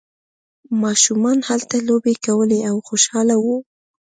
ماشومان هلته لوبې کولې او خوشحاله وو.